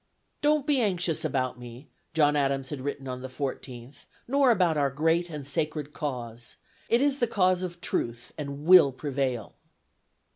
"Don't be anxious about me," John Adams had written on the 14th, "nor about our great and sacred cause. It is the cause of truth and will prevail."